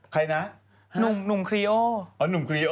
คันนะ